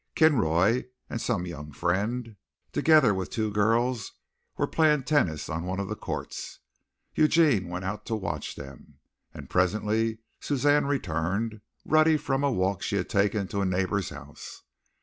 Kinroy and some young friend, together with two girls, were playing tennis on one of the courts. Eugene went out to watch them, and presently Suzanne returned, ruddy from a walk she had taken to a neighbor's house.